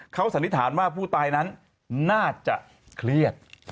เขาสันนิษฐานว่าผู้ตายนั้นน่าจะเครียด